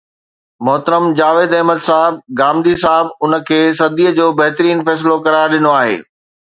محترم جاويد احمد صاحب غامدي صاحب ان کي صديءَ جو بهترين فيصلو قرار ڏنو آهي